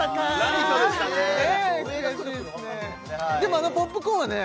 あのポップコーンはね